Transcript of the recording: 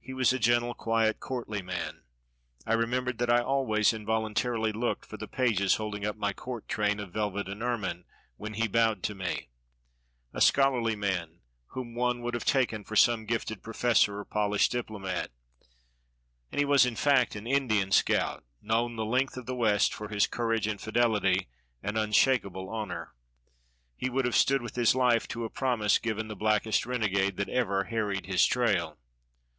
He was a gentle, quiet, courtly man; I remember that I always involuntarily looked for the pages holding up my court train of velvet and ermine when he bowed to me: a scholarly man, whom one would have taken for some gifted professor or polished diplomat: and he was in fact an Indian scout, known the length of the West for his courage and fidelity and unshakable honor. He would have stood with his life to a promise given the blackest renegade that ever harried his trail.